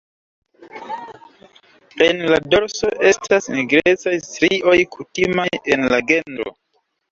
En la dorso estas nigrecaj strioj kutimaj en la genro.